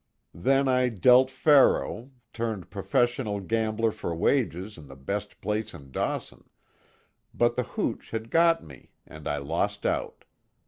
Then I dealt faro turned professional gambler for wages in the best place in Dawson, but the hooch had got me and I lost out.